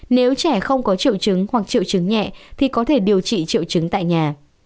nếu trẻ không có triệu chứng hoặc triệu chứng nhẹ thì có thể điều trị triệu chứng tại nhà